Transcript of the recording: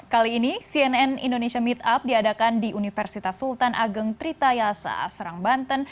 kali ini cnn indonesia meetup diadakan di universitas sultan ageng tritayasa serang banten